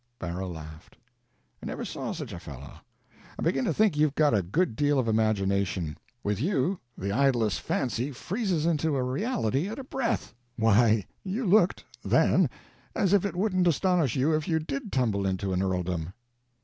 Barrow laughed. "I never saw such a fellow. I begin to think you've got a good deal of imagination. With you, the idlest fancy freezes into a reality at a breath. Why, you looked, then, as if it wouldn't astonish you if you did tumble into an earldom."